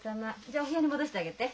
じゃあお部屋に戻してあげて。